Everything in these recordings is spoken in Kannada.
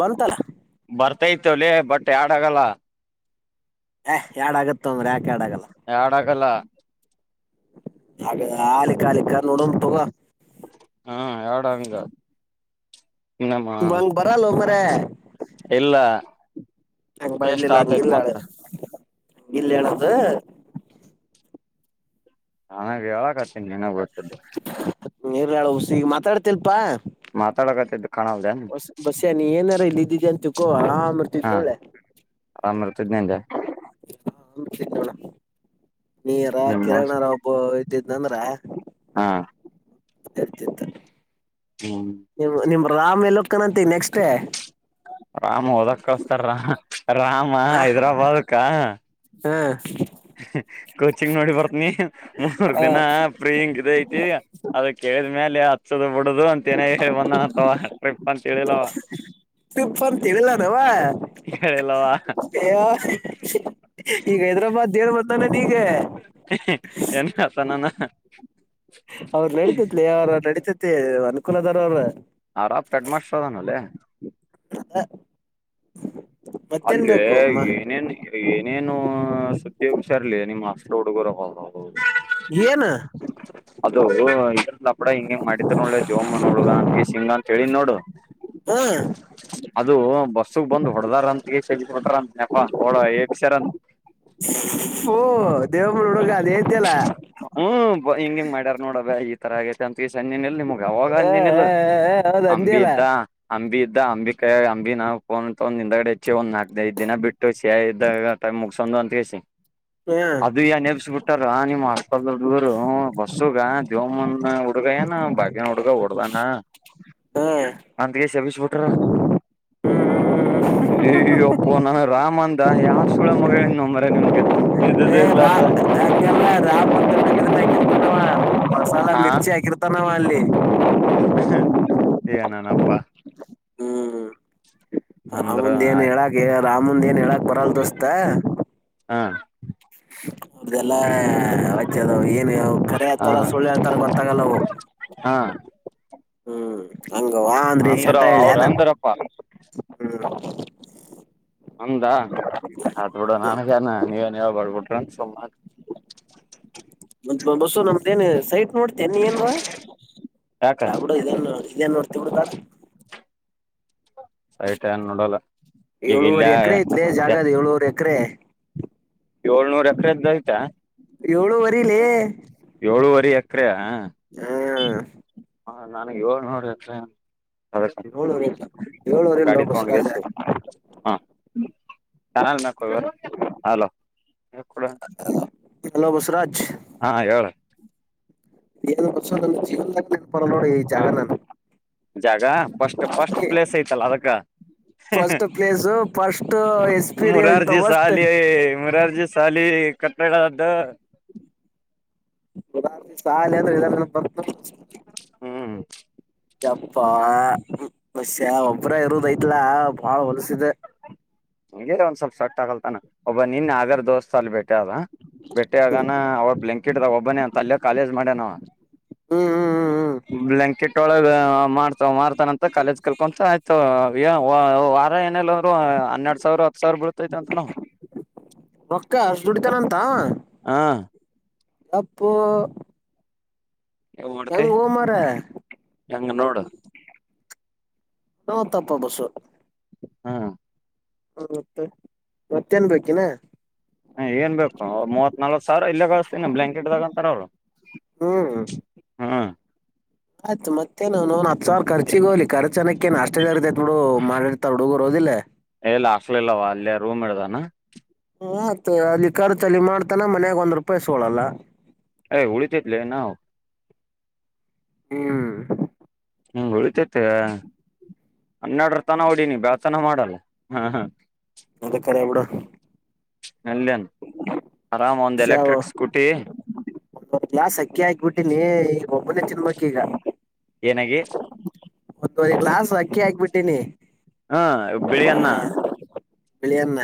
ಬಂತಲ್ಲ ಬರ್ತೇತಿ ಬಟ್ ಯಾಡ್ ಆಗಲ್ಲ ಹ ಎರಡ್ ಆಗತ್ತೊ ಮಾರಾಯ ಯಡ ಆಗಲ್ಲ ಹಾಗ ಆಾಲ ಕ ಆಾಲಿಕ ನೋಡ ತಗ ಹಾ ಎರಡಂಗಂಗ ಬಂಗ್ ಬರಲ್ಲ ಹ ಬ್ರ ಇಲ್ಲ ವೇಸ್ಟ್ ಆತೈತ್ ಮತ್ತ ಇಲ್ಲೇನ್ದ ನಾನಾಗ ಯಾವಾಗ ಆತೀನಿ ನನಾಗ ಗೊತದು ನೀರ್ಳ ಉುಸಿ ಮಾತಾಡ್ತಿಲ್ಪಾ ಮಾತಾಡಕತು ಬಸ್ ಬಸ್ಸ್ ನೀ ಏನಾರ ಇಲ್ಲಿ ಇದ್ದಿದ್ದಿ ಅಂತಕೋ ಹ ಬರ್ತಿದ್ ನೋಳೆ ದನಂದ ಹಾಂದತಿ ನೋಡ ನೀಾರ ಹ್ಮ ಕಿರಣರ ಒಬ್ಬ ಇದ್ದಿದ್ದಂದ್ರ ಹಾ ಎರ್ತಿತ ಹ್ಮ್ ನೀ ನಿಮ ರಾಮ್ ಎಲ್ಲಕ್ಕನಂತ ನೆಕ್ಸ್ಟ್ ಡೇ ರಾಮ ಹಓದಕ್ಕಸ್ತಾರ ರಾಮ ರಾಮ ಹ ಹೈದ್ರಾಬಾದ್ಕ ಹ ಕೋಚಿಂಗ್ ನೋಡಿ ಬರ್ತನಿ ಮೂ ಮೂರ್ ದಿನ ಫ್ರೀ ಹಿಂಗ ಇದ ಐತಿ ಅದ ಕೇಳಿದ ಮೇಲೆ ಹಚ್ಚದ ಬಿಡುದು ಅಂತೇನೆ ಒಂದ ಅಥವಾ ಟ್ರಿಪ್ ಅಂತ ಹೇಳಿಲ್ಲವ ತುಪ್ಪಂತವಿಲ್ಲಾನವಾ ಹೇಳಿಲ್ಲವ ಈಗ ಹೈದರಾಬಾದ್ ಏ ನು ಅಸಾನಾನ ಅವ್ರ ನಡತತ್ಲಿ ಅವ್ರ ನಡತತಿ ಅನುಕೂಲದರ ಅವ್ರ ಆ ರಾತ್ ಕಟ್ ಮಾಸ್ಟರ್ ಅದಾನಲ್ಲೇ ಹ ಅದೆ ಏನೇನ್ ಏ ಏನು ಸುದ್ದಿ ಒಬ್ಸರ್ಲಿ ನಿಮ್ಮ ಅಷ್ಟ್ರ ಹುಡುಗರ ಇನಾ ಅದು ಇದ್ರಪಡಾ ಹಿಂಗ ಹಂಗ ಮಾಡಿದ್ರರು ನೋಳ್ಳೆ ದೇವಮ್ಮನ ಹುಳಗ ಅಂತ ಸಿಂಗ ಅಂತ ಹೇಳಿದ್ ನೋಡು ಹ್ಮ ಅದು ಬಸ್ಸಗ್ ಬಂದ್ ಹೊಡದಾರ ಅಂತಗೆ ಹೊಟಾರ ಅಂತ ನೆಪ ಅವಳ ಎಸಾರಂತ ಓಹ ದೇವಮುರು ಹುಡುಗ ಅದ ತಲ್ಲ ಹಿಂಗ ಹಿಂಗ ಮಾಡ್ಯಾರ್ ನೋಡಬ ಈ ತರ ಆಗೇತೆ ಅಂತ ಫೀ ಹಜಿನಲ್ ನಿಮಗಾವಾಗ ಹ ಹಜಿನಲ್ ಹೌದ ಅಂಬಿ ಅಂದಿಯಲ್ಲ ಇದ್ದ ಅಂಬಿ ಇದ್ದ ಅಂಬಿ ಕ ಅಂಬಿ ನಾಫೋನ್ ಒಂದ ಹಿಂದಗಡೆ ಹೆಚ್ಚಿ ಒ ನಾಕ ಐದ ದಿನ ಬಿಟ್ಟು ತು ಸಿಯ ಎ ಇದಟ ಮುಗಸಜ ಅಂತಸ ಹ ಅದು ಯ ನೆಪಸ್ ಬಿಟ್ಟಾರ ನಿಮ್ ಹಸ್ಪಲ್ ಹುಡರು ಬಸ್ಸುಗ ದೇವಮ್ಮನ್ ಹುಡುಗ ಏನ ಹ ಬಾಯನ ಹುಡುಗ ಹೊಓಡ್ದಾನ [inaudible] ಅಂತಗೆಸಬಿಸಬುಟರ ಅಪ್ಪ ನಾನ ರಾಮ ಅಂದ ಯಾವ ಸುಳ ಮಗಳ ಮ್ರ ನಿಮಗೆ ರಾ ರಾತ್ ಮ [unintelligible] [inaudible] [unintelligible] ಮಸಾಲ ಮಿರ್ಚಿ ಆಕಿರ್ತಾನವಲ್ಲಿ [unintelligible] ಯಾ ನಾನ ಅಪ್ಪಾ ಹ್ಮ್ ಅಂದ್ರ ರಾಮಂದ ಏನ್ ಆಯ್ತ ಹೇಳಾಕ್ ರಾಮಂದ ಏನ್ ಹೇಳಾಕ್ ಬರಲ್ ದೋಸ್ತ ಹಾ [unintelligible] ಅವ್ರ್ದಲ್ಲಾ ಆಚ ಅದ ಏನ್ವು ಕರೆ ಹ ಆತಲ್ಲ ಸುಳ್ಳು ಹಳ್ತಾರ ಗೊತ್ತಾಗಲ್ಲವು ಹ ಹಂಗವಾ ಅಂದ್ರೆ ಅಂದ್ರ ಚಂಟ ಹೇಳಿ ಅವ್ರ ನ ಅಂದ್ರಪ್ಪಾ ಹ್ಮ್ ಹಂದ ಹತ್ ಬಿಿಡ ನನ್ಗನ ನೀವೇನ್ವ ಬರ್ಬಿಟ್ರಂತ ಸುಮ ಬಸ್ಸು ನಮ್ದೇನ್ ಸೈಟ್ ನೋಡ್ತನ್ನಿ ಏನ್ಡ ಯಾಕ ಏನ್ ನೋಡ್ತೀ ಬಿಡುದಾ ಸಯಟನ್ ನೋಡಲ್ಲ ಈಗ ಇಲ್ಲ ಏಳುವರೆ ಎಕರೆ ಜಾಗದ ಏಳುವರೆ ಎಕರೆ ಏಳ್ನೂರ ಎಕರೆದ ಆಯ್ತಾ ಏಳುವರಿಲೇ ಏಳುವರೆ ಎಕರೆ ಹ್ಮ್ ಹಾ ನನ್ಗ್ ಯಳ್ ನೋಡ ಳವರೆಲ್ಲ ಏಳುವರೆಲ್ಲ ಹ ಬಸ ಹಾ ಚನ್ನ ಮವಾರ ಅಲಡ ಹಲೋ ಬಸರಾಜ್ ಹಾ ಹೇಳ ಏನ್ರ್ಷ ಜೀವನ್ದನ್ ಪರ ನೋಡಿ ಈ ಹ ಜಾಗ ನಾನು ಜಾಗ ಫಸ್ಟ್ ಫಸ್ಟ್ ಪ್ಲೇಸ್ ಐತಲ್ಲ ಅದಕ್ಕ first place first experience Morarji first ಶಾಲಿ ಮುರಾರಜಿ ಶಾಲಿ ಕಟ್ಟ ದ್ದ ಉದ ಸಾಲ ಅಂದ್ರೆ ಬ ಹ್ಮ್ ಯಪ್ಪಾ ಬಷೆ ಒಬ್ರ ಇರುದಐತ್ಲಾ ಬಾಳ ಹೊಲಸಿದೆ ಹಗೆ ಒಂದ್ ಸ್ವಲ್ಪ ಸಟ್ ಆಗಲ್ತಾನ ಒಬ್ಬ ನಿನ್ ಆದಾರ ದೋಸ್ತ್ ಅಲ್ಲಿ ಬಿಟ್ಟೆ ಅದ ಬೆಟ್ಟೆ ಹ್ಮ್ ಆಗನ ಅವ ಬ್ಲಾಂಕೆಟ್ ಒಬ್ಬನ ಅಂತ ಅಲ್ಲಯ ಕಾಲೇಜ್ ಮಾಡ್ಯನವ ಹ್ಮ್ ಹ್ಮ್ ಹ್ಮ್ ಬ್ಲಯಂಕೆಟ್ ಒಳಗೆ ಮಾಡ್ತ ಮಾರತಾನಂತ ಕಾಲೇಜ್ ಕಲ್ಕೊಂತ ಆಯ್ತು ವಾರ ಏನಲ್ಲ್ರು ಹನ್ನೆರಡು ಸಾವಿರ ಹತ್ತು ಸಾವಿರ ಬಡ್ತೈತೆ ಅಂತ ನ ರೊಕ್ಕ ಅಷ್ಟ ಹಾಂ ಅಪ್ಪ ನೀವ್ ಮಾಡ್ತಿ ಎಂಗ ಓಮಾರ ಹೆಂಗ ನೋಡು ನ ತಪ್ಪ ಬಸು ಹಾ ಹ್ಮ ಮತ್ತೆ ಮತ್ತೇನ್ ಬೇಕಿನ ಹ ಏನ್ ಬೇಕು ಮೂವತ್ ನಲ್ಕ್ ಸಾವಿರ ಇಲ್ಲೇ ಕಳಸ್ತೀನಿ ಬ್ಲ್ಾಕೆಟ್್ದಗಂತಾರ ಅವ್ರು ಹ್ಮ್ ಹ್ಮ್ ಆಯ್ತ್ ಮತ್ತೇ ನೋನ್ ಹತ್ ಸಾವರ ಖರ್ಚಿಗ ಹೋಗಲಿ ರ್ಚ್ ಅನಕ್ಕೇನ್ ಅಷ್ಟ ಜರ್ತ್ ಬಿಡು ಮಾಡಿರ್ತಾರೆ ಹುಡುಗ ರೋದಿಲ್ಲ ಎಲ್ಲ ಹಕ್ಲಿಲ್ಲವ ಅಲ್ಲಿಯ ರೂಮ್ ಇಡ್ದಾನ ಹತ್ ಅಲ್ಲಿಿಕಾರ್ ಚಲಿ ಮಾಡ್ತಾನ ಮನ್ಯಾಗ ಒಂದ್ ರೂಪಾಯಿ ಸೋಳಲ್ಲ ಹಳಿ ತಜಲ್ಲ ನ ಹ ಹ್ಮ್ ಹ್ಮ ಉಳಿತೇತಿ ಹನ್ನೆರಡರತನ ನೋಡಿನಿ ಬ್ಯಾತನ ಮಾಡಲ್ಲ ಹ ಅದು ಕರೆ ಬಿಡು ಎಲ್ನ್ ಆರಾಮ್ ಒಂದು ಎಲೆಕ್ಟ್ರಿಕ್ ಸ್ಕೂಟಿ ಗ್ಾಸ್ ಅಕ್ಕಿ ಹಾಕ್ಬಿಟ್ಟೀಿನಿ ಈಗ ಒಬ್ಬನೇ ಚಿಿನಮಕ್ಕಿ ಈಗ ಏನಾಗಿ ಒತ್ತುವರಿ ಗ್ಲಾಸ್ ಅಕ್ಕಿ ಹಾಕ್ಬಿಟ್ಟೀನಿ ಹ್ಮ ಬಿಳಿಯನ್ನ ಬಿಳಿಯನ್ನ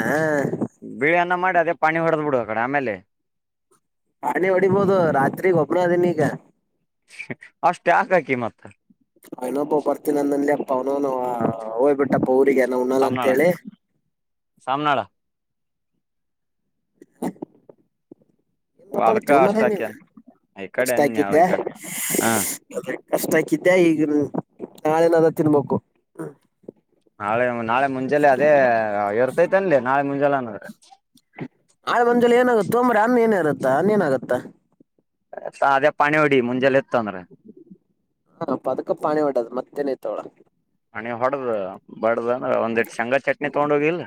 ಬಿಳಿ ಅನ್ನ ಮಾಡಿ ಅದೇ ಪಾಣಿ ಹೊಡೆದ್ ಬಿಡು ಆ ಕಡೆ ಆಮೇಲೆ ಹಾಣಿ ಹೊಡಿಬಹದು ರಾತ್ರಿಗ್ ಒಬ್ಬನ ಅದನ ಈಗ ಅಷ್ಟೆ ಆಕಾಕಿ ಮತ್ತ ನೊಬ್ಬ ಬರ್ತೀಿ ಅಂದಂದಲ್ಲಿ ಅಪ್ಪ ಅವನು ಹೋಗ್ಬಿಟ್ಟ ಟ್ಟಪ್ಪ ಊರಿಗೆ ಅ ನ ಉನಾಲ ಸಾಮ್ನಾಳ ಅಂತೇಳಿ ಸಾಮ್ನಾಳ ನೀನ್ ಅದಕ್ಕ ಮಾತಾಡ್ತೇವು ಮನ ಅಷ್ಟ ಹಾಕ್ಯನ್ ಈ ಕಡೆ ಮಸ್ತ ಅನ್ಯಾಳ ಹಾಕಿದ್ದೆ ಈ ಕಡೆ ಹ ಕಷ್ಟ ಆಾಕಿದ್ದೆ ಈಗ ನಾಳೆನದ ತಿನ್ಬೇಕು ನಾಳೆ ನಾಳೆ ಮುಂಜಾನೆ ಅದೇ ಇರ್ತೈತೆ ಅನ್ಲಿ ನಾಳೆ ಮುಂಜೆಲ್ಲೆ ಅನ್ನದ್ರೆ ಆಳ ಮಂಜಲಿ ಏನಾಗುತ್ತೋ ಒಂಬ್ರ ಅನ್ನ ಏನ ಇರುತ್ತಾ ಅನ್ನೇಏನಾಗುತ್ತಾ ಅದೇ ಪಾಣಿ ಹೊಡಿ ಮುಂಜೆಲ್ಲ ಇತ್ತು ಅಂದ್ರ ಹ ಅ ಅದಕ್ಕ ಪಾಣಿ ಒಡದು ಮತ್ತೇನಐತವಳ ನೀ್ ಹೊಡ್ದ ಬಡ್ದಂದ ಒಂದ್ಿ ಶೇಂಗ ಚಟ್ನಿ ತಗೊಂಡ ಹೋಗಿಿಲ್ಲ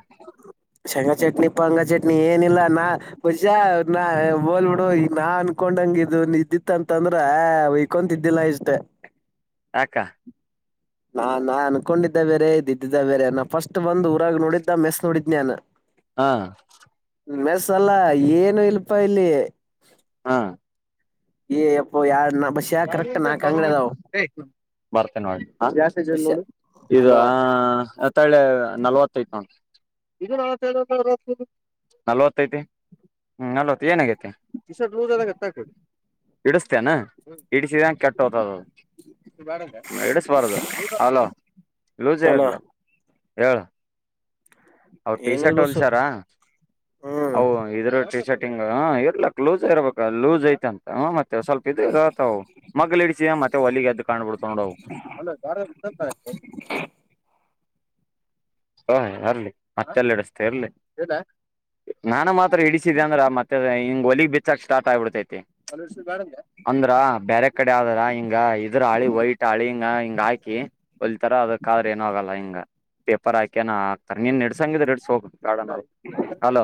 ಶಂಗ ಚಟ್ನಿ ಪಂಗ ಚಟ್ನಿ ಏನಿಲ್ಲಾ ನಾ ನಾ ಬೋಲ್ಬಿಡು ಈ ನಾ ಅನ್ಕೊಂಡಂಗಿದದು ಇದ್ದಿತ್ತ ಅಂತಂದ್ರ ಅವಕೊಂತಿದ್ದಿಲ್ಲ ಜತೆ ಅಕ್ಕ ನಾ ನಾ ಅನ್ಕೊಂಡಿದ್ದ ಬೇರೆ ಇದ್ ಇದ್ದಿದ್ದ ಬೇರೆ ನಾ ಫಸ್ಟ್ ಬಂದ್ ಊರಾಗ ನೋಡಿದ್ದ ಮೆಸ್ ನೋಡಿದ್ನ್ಯನು. ಹಾ. ಮೆಸ್ ಅಲ್ಲ ಏನು ಇಲ್ಲಪ್ಪಾ ಇಲ್ಲಿ. ಹಾ ಏ ಎಪ್ಪ ಯಾರು ಬರ್ತ ನೋಾಸ್ತಿ ನೋ ಬಸ್ಯ ಇದು ಅಲೋ ತಳೆ ನಲ್ವತ್ತೈತ ಉಂು ನ ನಲ್ವತ್ತೈತಿ ಹ್ಮ್ ಅಲ್ವತ್ ಏನಾಗೇತೆುದು ಇಡಿಸತೇನಾ ಇಡಿಸಿದಂ ಕೆಟ್ಟ ಹತದ ಎಡುಸ್ವಾರದು ಅಲೋೂ ಜರ್ಲಾಲ್ ಎಏಳ ಅವ್ರು ಟಿ ಏನಿಲ್ ಶರ್ಟ್ ಬಸ್ಸು ಹೊಲ್ಸ್ಯರ ಹ್ಮ್ ಅವು ಇದರ್ ಟಿ ಶರ್ಟ್. [inaudible] ಹ ಇರ್ಲಾಕ್ ಲೂಸ್ ಇರ್ಬೇಕ ಲೂಸ್ ಐತ ಅಂತ ಹೂ ಮತ್ತೆ ಸ್ವಲ್ಪ ಇದು. ಇರ್ತವ್ ಮಗಲ್ ಹಿಡಿಸಿಯ ಮತ್ತೆ ಹೊಲಗೆದ್ದು. ಕಾಣಬಿಡ್ತಾವ್ ನೋಡ್ ಅವು ಅಲ್ಲ [inaudible] [inaudible] ಹ ಈರ್ಲಿ ಮತ್ತೆಲ್ಲಿ ಹಿಡಿಸ್ತಿ ಇರ್ಲಿ ಇಲ್ರ್ಯ. ನಾನು ಮಾತ್ರ ಹಿಡಿಸಿದ್ಯಾ ಅಂದ್ರ ಮತ್ತ ಅದು ಹಿಂಗ ಹೊಲಗ್ ಬಿಚ್ಚಕ್ ಸ್ಟಾರ್ಟ್ ಆಗ್ಬಿಡ್ತತಿ ಅಲ್ಲಿ ಹಿಡ್ಸಿದ್ರ ಬ್ಯಾಡ ಅಂದ್ಯ ಅಂದ್ರ. ಬ್ಯಾರೆ ಕಡೆ ಆದ್ರ ಹಿಂಗ ಇದ್ರ ಹಾಳಿ ವೈಟ್ ಹಾಳಿನ ಹಿಂಗ ಹಾಕಿ ಹೋಲಿತಾರ ಅದಕ್ಕ ಆದ್ರ. ಏನು ಆಗಲ್ಲ ಹಿಂಗ ಪೇಪರ್ ಹಾಕಿನು ಹಾಕ್ತರ ನೀನ್ ಹಿಡ್ಸಂಗಿದ್ರ ಹಿಡ್ಸು ಹೋಗು. [unintelligible] ಹಲೋ.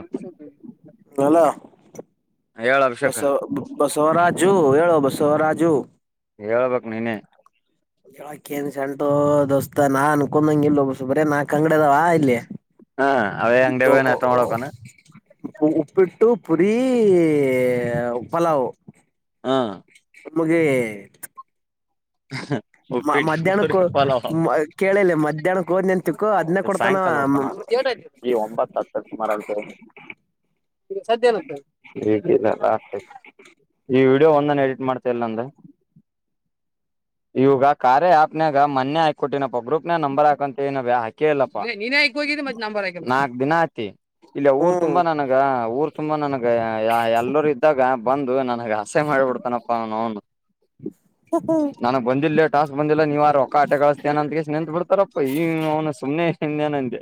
ಹೇಳ ಅಭಿಷೇಕ ಬಸವ ಬಸವರಾಜು ಹೇಳೋ ಬಸವರಾಜು. ಹೇಳಬೇಕ್ ನೀನೆೇ. ಹೇಳಕೆನ್ ಶೆಂಟೊ ದೋಸ್ತ ನಾ ಅನ್ಕೊಂಡಂಗ ಇಲ್ಲೋ ಬರೇ ನಾಲ್ಕು ಅಂಗಡಿ ಅದಾವ ಇಲ್ಲಿ. ಹಾ ಅವೇ ಅಂಗಡ್ಯಾಗ ಹೋಗಿ ನಾಸ್ಟಾ ಮಾಡ್ಬೇಕೇನ. ಉಪ್ಪಿಟ್ಟು ಪುರಿ ಪಲಾವ್. ಹಾ. ಮುಗಿತ್. ಹ ಉಪ್ಪಿಟ್ ಪುರಿ ಪಲಾವ್ ಕೇಳಿಲ್ಲ ಮಧ್ಯಾಹ್ನಕ್ ಹೋದ್ ನಿಂತಕ್ಕೋ ಅದ್ನ ಕೊಡ್ತಾನ ಸಾಯಂಕಾಲ. [inaudible] ಮತ್ ಎಟ್ ಆಯ್ತು ಈಗ ಒಂಬತ್ತ ಹತ್ತ ಸುಮಾರು ಅಂತೆ. [inaudible] ಈಗ ಸದ್ಯ ಎನ್ ಆಯ್ತು [inaudible] ಹೆ ಒಂದರ ಎಡಿಟ್ ಮಾಡ್ತೀಯ ಇಲ್ಲ ನಂದ್. ಇವಂಗ ಕಾರ್ಯ ಯಾಪನ್ಯಗ ಮನ್ನೆ ಹಾಕೊಟ್ಟಿನಪ್ಪ ಗ್ರೂಪನ್ಯಗ ನಂಬರ್ ಹಾಕು ಅಂತ ಹೇಳಿನಿ [inaudible] [unintelligible] ಸುಮ ಹ್ಮ್ ಸುಮ್ನ ನನಗ ಎಲ್ಲರ ಇದ್ದಾಗ ಬಂದು ನನಗ್ ಅಸಹ್ಯ ಮಾಡಿಬಿಡ್ತಾನಪ್ಪ [inaudible] [inaudible] ನನಗ್ ಬಂದಿಲ ಲೆ ಟಾಸ್ಕ್ ಬಂದಿಲ್ಲ ನೀವ ರೊಕ್ಕಾ ಆಟೆ ಗಳಿಸ್ತೇನ ಅಂತ ಕೇಸಿಂದ ನಿಂತ್ ಬಿಡ್ತಾರಪ್ಪ ಈ [inaudible] ಸುಮ್ನೆ. ಇನೇನ್ ಅಂದೆ.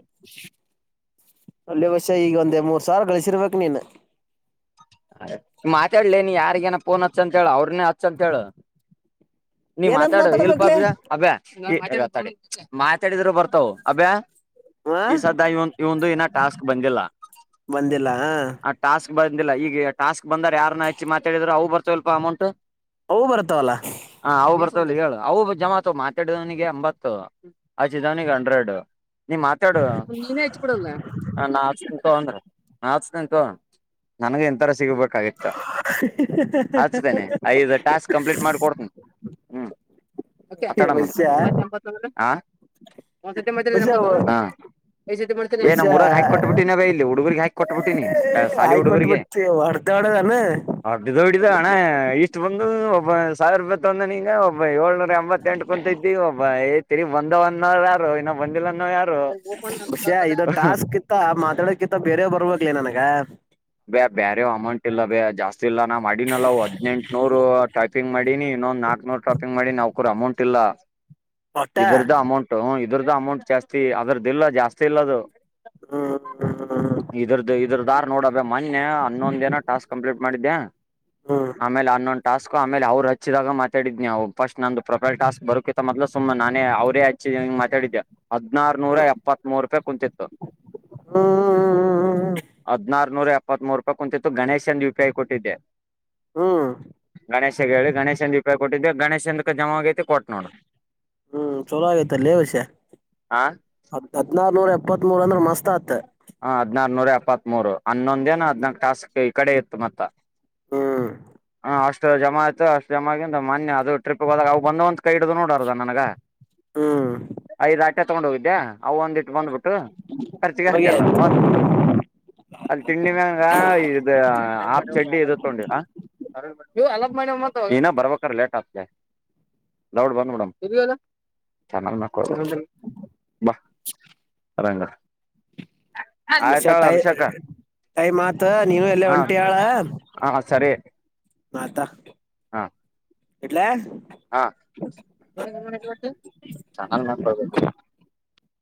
ಅಲ್ಲಲ್ಲೇ ಬಸ್ಯ ಈಗ ಒಂದು ಮೂವತ್ ಸಾವಿರ ಗಳಿಸಿರಬೇಕ್ ನೀನು. ಮಾತಾಡ್ಲೇ ನೀ ಯಾರಿಗೇನ ಫೋನ್ ಹಚ್ಚ ಅಂತ ಹೇಳು ಅವ್ರನೆೇ ಹಚ್ಚಂತ ಹೇಳು. ನೀ ಏನಂತ ಮಾತಾಡು ಇಲ್ಪ ಮಾತಾಡ್ಬೇಕಕ್ಲೇ ಅಭ್ಯ ಅಭ್ಯ. [unintelligible] ಮಾತಾಡಿದ್ರ ಬರ್ತವು ಅಭ್ಯ. ಹ ಈ ಸದ್ಯ ಇವಂದು ಇನ ಟಾಸ್ಕ್ ಬಂದಿಲ್ಲ ಬಂದಿಲ್ಲ ಆ ಟಾಸ್ಕ್. ಬಂದಿಲ್ಲ ಈಗ ಟಾಸ್ಕ್ ಬಂದರ್ ಯಾರನ್ನ ಹೆಚ್ಚಿ ಮಾತಾಡಿದ್ರ ಅವು ಬರ್ತಾವಿಲಪ ಅಮೌಂಟ್. ಅವು ಬರ್ತವಲ್ಲ. ಹ ಅವು ಹೇಳು ಅವು ಜಮಾ ಆಗ್ತವು ಮಾತಾಡಿದವನಿಗೆ ಎಂಬತ್ತು ಹಚ್ಚಿದವನಿಗೆ ಹಂಡ್ರೆಡ್. ನೀ ಮಾತಾಡು ನೀನೇ ಹಚ್ಚಿಕೊಡಲ್ಲ ಅ ನಾ ಹಚ್ಚತನಿ. ತೊ ಅಂದ್ರ ನಾ ಹಚ್ ತನಿ ತೊಗೊ ನನಗೂ ಇಂತರ ಸಿಗ್ಬಕ್. ಕಾಗಿತ್ತ ಹಚ್ತೇನಿ ಐದು ಟಾಸ್ಕ್ ಕಂಪ್ಲೀಟ್ ಮಾಡಿಕೊಡ್ತನಿ. [inaudible] ಮತೋಡಮಂಥ ಬಷ ಹಾ ಒಂದು ಸತಿ ಮಾತಾಡಿದ್ರ ಬಷ ನಂಬಕೇನು ಹಾ. [inaudible] ಏ ಬಷ ನಮ್ಮೂರಾಗ ಹಾಕಿ ಕೊಟ್ಟಬಿಟ್ಟಿನಿ ಅಲ ಇಲ್ಲಿ ಹುಡುಗರ್ರಿಗೆ ಹಾಕಿ ಕೊಟ್ಟಬ ಬಿಟ್ಟಿನಿ ಸಾಲಿ ಹುಡುಗರಿಗೆ. ಹೆ ಹೊಡೆದಾಡನ್. ಇದು ಅಣ್ಣ ಇಸ್ಟ್ ಬಂದು ಒಬ್ಬ ಸಾವಿರ ರೂಪಾಯಿ ತಂದಾನೀಗಾ ಒಬ್ಬ ಏಳ್ನೂರ. ಎಂಬಂತೆಂಟು ರೂಪಾಯಿದ್ಯತಿ ಒಬ್ಬ ಏ ತಲಿ ಬಂದವನದ. ಬಸ್ಯ ಇದು ಟಾಸ್ಕ್ ಇತ್ತ ಮಾತಾಡೋಕಿತ್ತ ಬೇರೆ ಬರುವಲ್ದಲೇ ನನಗ. ಅಪ್. ಬೇ ಬೇರೆ ಅಮೌಂಟ್ ಇಲ್ಲ ಬೇ ಜಾಸ್ತಿ ಇಲ್ಲ ನಾ ಮಾಡಿನಲ್ಲ ಹದ್ನೆೆಂಟುನೂರ್ ಟೈಪಿಂಗ್ ಮಾಡಿನಿ ಇನು ನಾಕ್ ನೂರ್ ಟಾಪಿಂಗ್ ಮಾಡಿ ನಾವ ಕೂರ ಅಮೌಂಟ್ ಇಲ್ಲ ಒಟ್ಟ ಇದ್ರದ್ದ ಅಮೌಂಟ್ ಇದ್ರ್ದ ಅಮೌಂಟ್ ಜಾಸ್ತಿ ಅದ್ರದ್ದುಲ್ಲ ಜಾಸ್ತಿ ಇಲ್ಲದು ಹ್ಮ್ ಇದ್ರದು ಇದ್ರ ದಾರ್ ನೋಡ ಮೊನ್ನೆ ಹನ್ನೊಂದ ದಿನ ಟಾಸ್ಕ್ ಕಂಪ್ಲೀಟ್ ಮಾಡಿದ್ದೆ ಹ್ಮ್ ಆಮೇಲೆ ಹನ್ನೊಂದು ಟಾಸ್ಕ್ ಆಮೇಲೆ ಅವ್ರು ಹಚ್ಚಿದಾಗ ಮಾತಾಡಿದ್ ನಾವುಫಸ್ಟ್ ನಂದು ಪ್ರೊಫೈಲ್ ಟಸ್ಕ್ ಬೋಕತ್ತ ಮದಲ ಸುಮ್ನೆ ನಾನೇ ಅವರೇ ಮಾತಾಡಿದ್ಯಾ ಹದನಾರನೂರ ಎಪ್ಪತ್ತ್ ಮೂರು ರೂಪಾಯಿ ಕುಂತಿತು ಹ್ಮ್ ಹದನಾರನೂರ ಎಪ್ಪತ್ತ್ ಮೂೂರು ರೂಪಾಯಿ ಕುಂತತ್ತು ಗಣೇಶ್ ಎನ್ ಯುಪಿಐ ಕೊಟ್ಟಿದ್ದೆ ಹ್ಮ್ ಗಣೇಶಗೆ ಹೇಳಿ ಗಣೇಶಂದು ಉಪಾಯ ಕೊಟ್ಟಿದ್ದ ಗೇಶನಂದಕ್ಕೆ ಜಮ ಆತ್ತು ಹ್ಮ್ ಚಲ ಆತ ಲೇ ಔಸ ಆ ಹದಿನಾರ ನೂ ಇಪ್ಪತ್ತ್ ಮೂರ್ ಅಂದ್ರೆ ಮಸ್ತ್ ಆತ್ ಹ ಹದ್ನಾರನೂರ ಎಪ್ಪತ್ ಮೂರು ಹನ್ನೊಂದ ಏನ ಹದ್ನಾಕ್ ಟಾಸ್ಕ್ ಈ ಕಡೆ ಇತ್ತು ಮತ್ತ ಹ್ಮ್ ಹ ಅಷ್ಟು ಜಮ ಆಯ್ತು ಅಷ್ಟ ಜಮ ಆಗ ಅಂತ ಮಾನ್ಯ ಅದು ಟ್ರಿಪ್ ಹೋದಾಗ ಅವವು ಬಂದಂತ ಕೈ ಹಡು ನೋಡಾರದ ನನಗ ಹ್ಮ್ ಐದ್ ಆಟೆ ತಗೊಂಡ್ ಹೋಗಿದ್ದ್ಯಾ ಅ ಒಂದಿಟ್ಟು ಬಂದ್ಬಿಟ್ಟು ಖರ್ಚಿಗೆ ಹೋಗೆ ಆತಲ್ಲ ಮ ಅಲ್ಲಿ ತಿಂಡಿ ಮ್ಯಂಗ ಇ ಆಪ್ ಚಡ್ಡಿ ಇ ತಗೊಂಡಿರ ಅ ಮ ಇನ ಬರ್ವಕ್ಕರ ಲೇಟ್ ಆತ ದಾವೊಡ ಬಂದ ಬಿಡೊಣ ಆರಂಗ [unintelligible] ಟೈ ಟೈಮ್ ಆಯ್ತು ನೀ ಎಲ್ಲ ಹಾ ಒಂಟಿಯಾಳ ಹಾ ಸರಿ ಮಾತಾ [unintelligible] [unintelligible] ಹಾ ಚಾನ